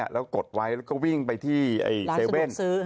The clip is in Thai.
แล้วก็กดไว้วิ่งไปที่เซเว่น